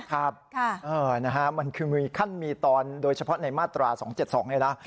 ครับมันคือมีขั้นมีตอนโดยเฉพาะในมาตรา๒๗๒เนี่ยนะ